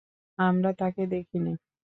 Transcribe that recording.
আমরা তাকে দেখিনি।